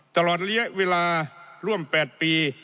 ตลอดระยะเวลาร่วม๘ปี